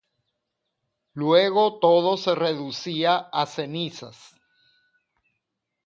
Luego todo se reducía a cenizas.